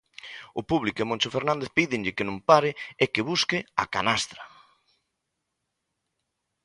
O público e Moncho Fernández pídenlle que non pare e que busque a canastra.